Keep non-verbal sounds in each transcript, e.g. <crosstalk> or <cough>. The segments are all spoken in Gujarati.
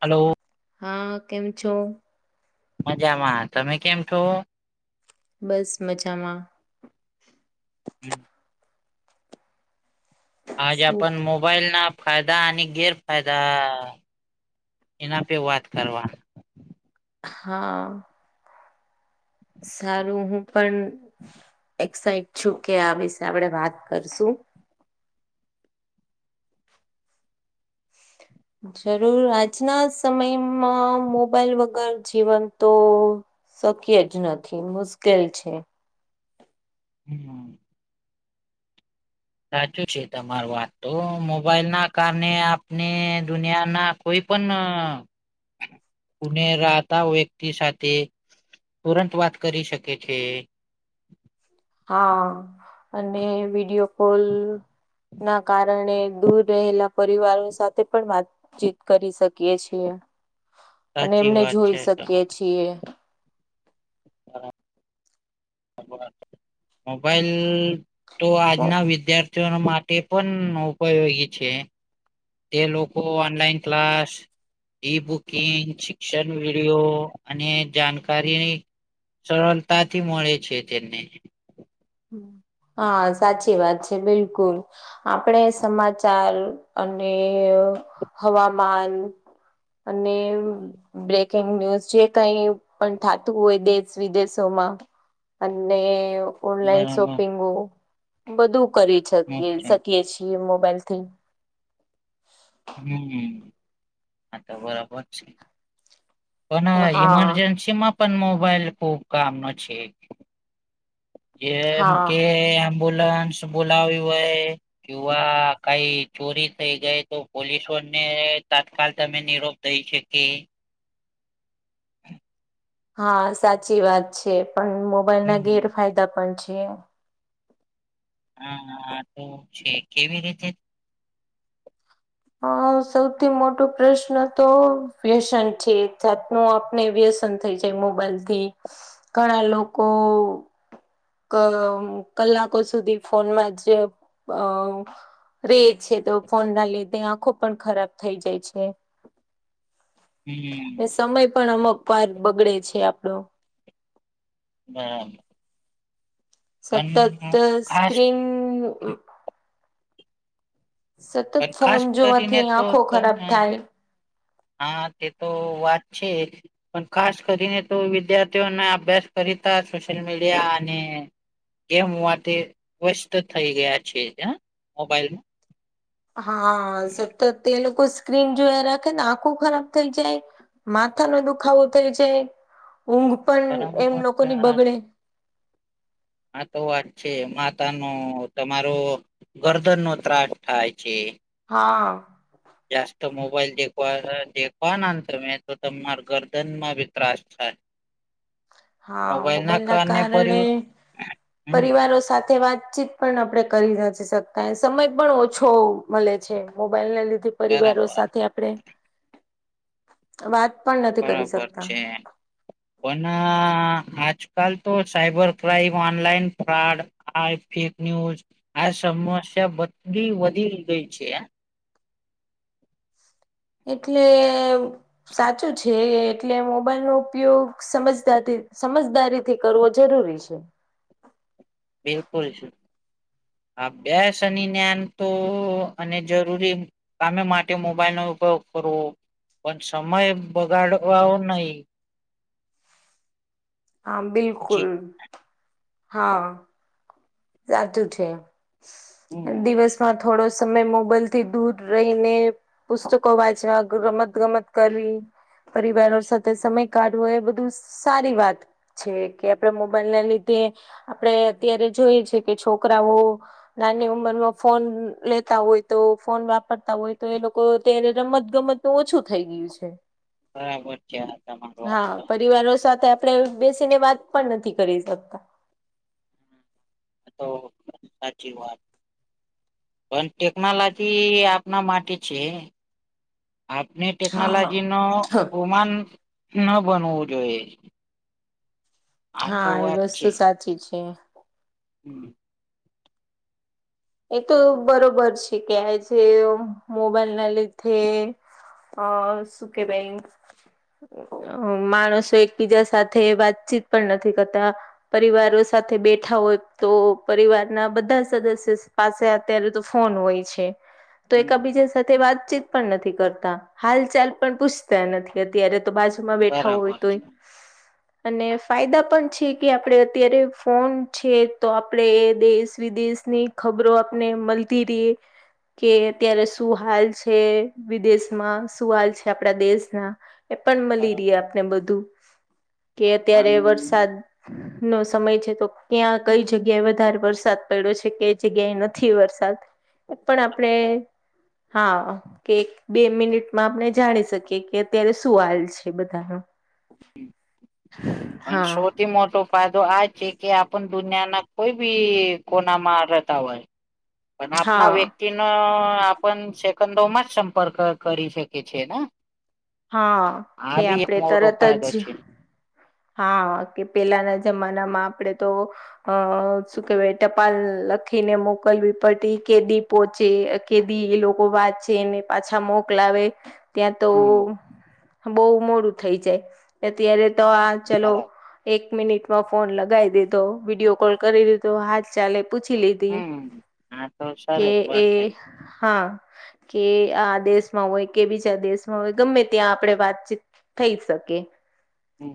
હલો. હા, કેમ છો? મજામાં. તમે કેમ છો? બસ મજામાં. <unintelligible> આજ શું આપન મો મોબાઈલ ના ફાયદા અને ગેરફાયદા એના પે વાત કરવાના. હા. સારું, હું પણ એક્સાઇટ છું કે આ વિશે આપડે વાત કરશું. જરૂર, આજના સમયમાં મોબાઈલ વગર જીવન તો શક્ય જ નથી, મુશ્કેલ છે. હમ. સાચું છે, તમારી વાત તો. મોબાઈલના કારણે આપને દુનિયાના કોઈ ના પણ, કુને રાતા વ્યક્તિ સાથે તુરંત વાત કરી શકે છે. હા અને વિડીયો કોલ ના કારણે દૂર રહેલા પરિવારો સાથે પણ વાત ચીત કરી શકીએ છીએ અને સાચી એમને વાત જોઈ છે શકીએ તમા છીએ. મોબાઈલ તો આજના વિદ્યાર્ થીઓ ને માટે પન ઉપયોગી છે. તે લોકો ઓનલાઈન ક્લાસ ઈ બુકિંગ, શિક્ષન વિડીયો અને જાનકારીની સરલતાથી મળે છે તેને. હમ્મ, હા સાચી વાત છે બિલકુલ. આપણે સમાચાર અને હવામાન અને બ્રેકિંગ ન્યુઝ જે કઈ પણ થાતું હોય દેશ વિદેશોમાં અને ઓનલાઈન બરાબર શોપિંગો બધું કરી છકી અચ્છા. શકીએ છીએ મોબાઈલથી. હમ્મ, આ તો બરાબર છે. પન હા ઇમરજન્સીમાં પન મોબાઈલ ખૂબ કામનો છે. એમ હા કે એમ્બ્યુલન્સ બોલાવી હોય કેવા કઈ ચોરી થઈ ગઈ તો પોલીસોને તાત્કાલ તમે નિરોપ દઈ છે કે હા સાચી વાત છે પણ મોબાઈલ ના હમ્મ ગેરફાયદા પણ છે. હા તો છે કેવી રીતે હ સૌથી મોટો પ્રશ્ન તો વ્યસન છે એક જાતનું ને વ્યસન થઈ જાય મોબાઈલથી ઘણા લોકો કલાકો સુધી ફોનમાં જે રે છે તો ફોન ના લીધે આંખો પણ ખરાબ થઈ જાય છે. હમ્મ. ને સમય પણ અમુક વાર બગડે છે આપણો. હા. સતત ખાસ સ્ક્રીન સતત પણ ખાસ ફોન કરીને જોવાથી તો આંખો ખરાબ તમે થાય હા તે તો વાત છે. પણ ખાસ કરીને તો વિદ્યાર્થીઓને અભ્યાસ કરતા સોશિયલ મીડિયા અને ગેમ માટે વ્યસ્ત થઈ ગયા છે. મોબાઈલ હા સતત તે લોકો સ્ક્રીન જોયા રાખે ને આખું ખરાબ થઈ જાય. માથાનો દુખાવો થાય છે ઊંઘ પણ એમ બરાબર લોકોની બગડે. હા તો વાત છે માથા નો તમારો ગરદન નો ત્રાસ થાય છે. હા. જાસ્ત મોબાઈલ દેખવા દેખવાના તમે તો તમાર ગરદન માં બી ત્રાસ થાય. હા મોબાઈલ ના કારણે હમ પરિવારો સાથે વાતચીત પણ આપણે કરી નથી શકતા સમય પણ ઓછો મળે છે મોબાઈલને લીધે પરિવારો બરાબર સાથે આપણે વાત પણ નથી કરી બરાબર શકતા છે. પણ આજકાલ તો સાયબર ક્રાઈમ, ઓનલાઈન ફ્રોડ આ ફેક ન્યૂઝ આ સમસ્યા બધી વધી ગઈ છે. એટલે સાચું છે એટલે મોબાઈલ નો ઉપયોગ સમજ સમજદારી થી કરવો જરૂરી છે. બીલકુલ છે. અભ્યાસ અને જ્ઞાન તો અને જરૂરી સામે માટે મોબાઈલ નો ઉપયોગ કરવો પણ સમય બગાડવો નહી. હા જી બિલકુલ હા સાચું છે હમ દિવસમાં થોડો સમય મોબાઈલ થી દૂર રહીને, પુસ્તકો વાંચવા, રમત ગમત કરવી. પરિવારો સાથે સમય કાઢવો એ બધું સારી વાત. છે કે આપણેે મોબાઈલ ના લીધે આપણેે અત્યારે જોઈએ છે કે છોકરાઓ, નાની ઉંમરમાં ફોન લેતા હોય તો, ફોન વાપરતા હોય તો, એ લોકો અત્યારે રમત ગમત તો ઓછું થઈ ગયું છે. બરાબર છે તમારી વાત હા તો. પરિવારો સાથે આપણે બેસીને વાત પણ નથી કરી શકતા. તો સાચી વાત. પણ ટેકનોલોજી આપના માટે છે. આપને ટેકનોલોજી ને હા ઓમાન ન બનવું જોઈએ. આ તો હા એ વાત વસ્તુ છે સાચી છે. હમ એ તો બરોબર છે કે આજે મોબાઈલ ના લીધે હ સુ કેવાય? માણસો એકબીજા સાથે વાતચીત પણ નથી કરતા. પરિવારો સાથે બેઠા હોય તો પરિવારના બધા સદસ્ય. પાસે અત્યારે તો ફોન હોય છે તો એક હમ બીજા સાથે વાતચીત પણ નથી કરતા હાલ ચાલ પણ પૂછતા નથી અત્યારે તો બાજ માં બેઠા હો હોય બરાબર તોય. <inaudible> અને ફાયદા પણ છે કે આપણે અત્યારે ફોન છે તો આપણેે દેશ વિદેશની ખબરો આપને મળલતી રહી. કે અત્યારે શું હાલ છે વિદેશમાં શું હાલ છે? આપડા દેશના? એ પણ મળી ર બરાબર આપને બધું કે અત્યારે પણ વરસાદ નો સમય છે તો ક્યાં કઈ જગ્યાએ વધારે વરસાદ પડ્યો છે કે જગ્યાએ નથી વરસાદ પણ આપણે હા કે એક બે મિનિટમાં આપણે જાણી શકીએ કે અત્યારે શું હાલ છે બધાનો હા પાંસો થી મોટો ફાયદો આ છે કે આપણ દુનિયાના કોઈ બી કોનામાં રહેતા હોય. પણ હા આપના વ્યક્તિ ન આપણ સેકંદોમાં જ સંપર્ક કરી શકી છે ને. હા આ કે બી એક આપણે મોટો તરત ફાયદો જ છે. હા કે પેલાના જમાનામાં આપણેે તો અ શું કેવાય ટપાલ લખીને મોકલવી પ્ટી કે દીપ પોહચે કેદી એ લોકો વાંચ છે એને પાછા મોકલાવે. ત્યાં તો હમ બહુ મોડું થઈ જાય અત્યારે તો આ ચલો બરાબર એક મિનિટમાં ફોન લગાવી દીધો વિડીિયો કોલ કરી દીધો હાથ ચાલે પૂછી લીધી હમ હા તો કે સરસ વાત એ થઈ હા કે આ દેશમાં હોય કે બીજા દેશમાં હોય ગમે ત્યાં આપણે વાતચીત થઈ શકે. હ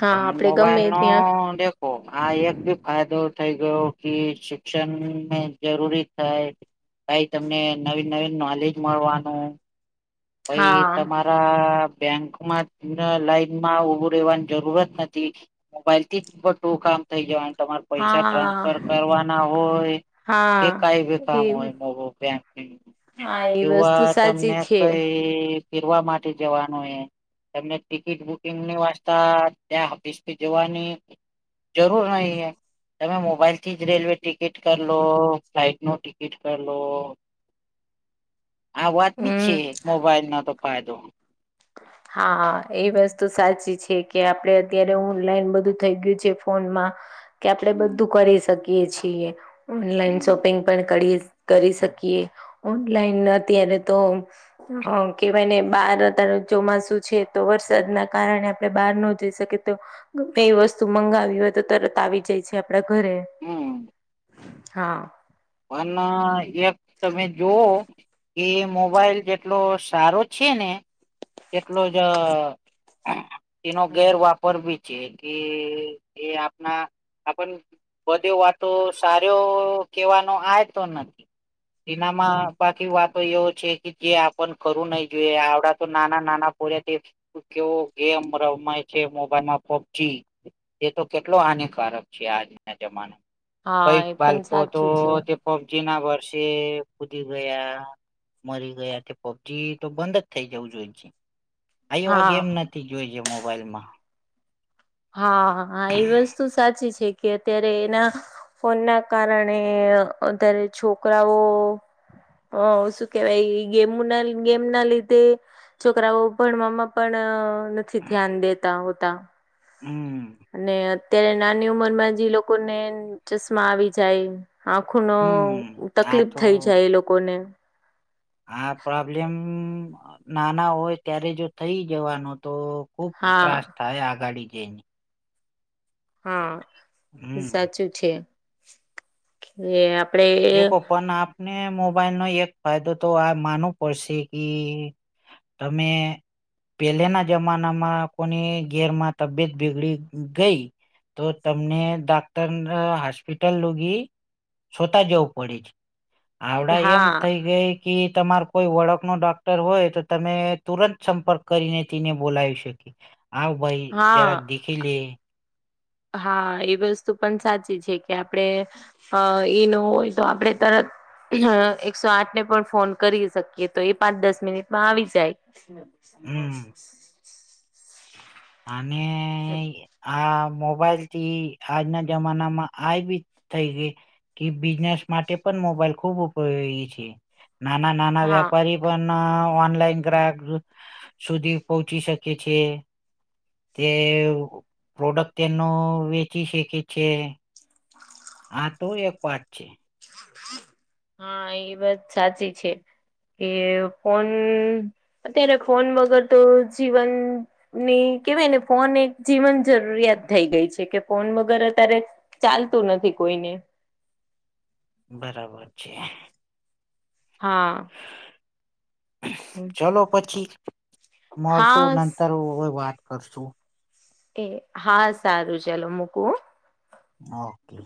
હા ભન મ આપડે ગમે મોબાઈલનો ત્યાં દે ઓ આ એક બી ફાયદો થઈ ગયો કે, શિક્ષણને જરૂરી થાય. કઈ તમને નવી નવી નોલેજ મળવાનું, કઈ હા તમા બેંકમાં લાઈનમાં ઉભું રેવાની જરૂરત નથી. મોબાઈલ થી જ બટું કામ થઈ જવા તમાર પૈસા હા ટ્રાન્સફર કરવાના હોય કે કઈ ભ હા એ કામ હોય મોંક-' હી હા એ વસ્તુ સાચી છે. એ ફેરવા માટે જવાનું એ તને ટિકિટ બુકિંગની વાસ્તા ત્યાં ઓફિસથી જવાની જરૂર નહી હ તમે મોબાઈલ થી જ રેલવે ટિકિટ કર લો ફ્લાઇટ નો ટિકિટ કર લો આ વાત બી છે હમ મોબાઈલ ન તો ફાયદો હા એ વસ્તુ સાચી છે. કે આપડે અત્યારે ઓનલાઈન બધું થઈ ગયું છે. ફોનમાં કે આપણે હમ બધું કરી શકીએ છીએ ઓનલાઈન શોપિંગ પણ કરી કરી શકીએ ઓનલાઈન અત્યારે તો હ કે મને બાર તાર ચોમાસુ છે. તો વરસાદ ના કારણે આપણે બહાર ન જઈ શકીએ તો બેઈ વસ્તુ મંગાવી હોય તો તરત આવી જાય છે. આપડા ઘરે હમ હા પણ એક તમે જોઓ કે મોબાઈલ જેટલો સારો છે ને એટલો જ એનો ગેર વાપર બી જે કે એ આપણા આપણ બધી વાતો સારો કેવાનો આ તો નથી એનામાં બાકી વાતો એવો છે કે જે આપ ખરું નહી જોઈએ આવડા તો નાના નાના પોડ્યા તે કેવો ગેમ રમાય છે મોબાઈલમાં પબજી એ તો કેટલો હાનિકારક છે આજના જમાનામાં હા કઈક એ પણ બાળકો તો સાચું છે તે પબજી ના વર્ષે કૂદી ગયા મરી ગયાથી પબજી તો બંધ જ થઈ ગયુ. વું જોઈ આવા હા ગેમ નથી જોઈ છે મોબાઈલમાં હા હા એ વસ્તુ સાચી છે કે અત્યારે એના ફોન ના કારણે અારે છોકરાઓ હ શું કેવાય ગેમ ના ગેમ ના લીધે છોકરાઓ ભણવામાં પણ નથી ધ્યાન દેતા હોતા હમ અને અત્યારે નાની ઉંમર માં જે લોકો ને ચશ્મા આવી જાય. આખો નો હમ આ તકલીફ તો થઈ જાય એ લોકોને હા પ્રોબ્લેમ નાના હોય ત્યારે જો થઈ જવાનો તો ખુબ હા ત્રાસ થાય આગાડી જઈને. હા હમ સાચું છે કે આપડે દેખો પણ આપને મોબાઈલ નો એક ફાયદો તો આ માનવ પડશે કે તમે પેલેના જમાના માં કોની ઘેરમાં તબિયત બીગડી ગઈ તો તમને ડૉક્ટર હોસ્પિટલ લોગી જવું પડે આવડા એમ હા થઈ ગઈ-' કે તમાર કોઈ ઓળખનો ડોક્ટર હોય તો તમે તુરંત સંપર્ક કરીને તેને બોલાવી શક કે આવ ભઈ હા જરાક દેખી લે. હા એ વસ્તુ પણ સાચી છે કે આપણે અ એ ન હોય તો આપણે તરત હહ એકસો આઠને પણ ફોન કરી શકીએ તો એ પાંચ દસ મિનિટમાં આવી જાય. હમ અને આ મોબાઈલ થી આજના જમાનામાં આ બી થઈ ગઈ. કે બિઝનેસ માટે પણ મોબાઈલ ખુબ ઉપયોગી છે નાના નાના હા વેપારી પણ ઓનલાઈન ગ્રાહક સુધી પહચી શકે છે. તે પ્રોડક્ટ તેનો વેચી શખ છે. <inaudible> આતો એક વાત છે. હા એ વાત સાચી છે. કે ફોન અત્યારે ફોન વગર તો જીવનની કેવાય ને ફોન એક જીવન જરૂરિયાત થઈ ગઈ છે કે ફોન વગર અતારે ચાલતું નથી કોઈને. બરાબર છે. હા હા હમ ચલો પછી મળશું નંતર હવે વાત કરશું. એ હા સારું ચલો મુકું હહ. ઓકે